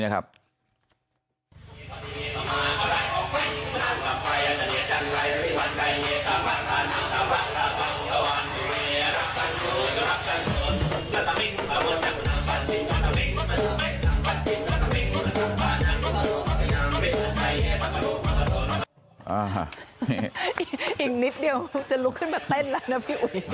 อีกนิดเดียวจะลุกขึ้นมาเต้นแล้วนะพี่อุ๋ย